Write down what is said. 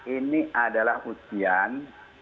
ini adalah usian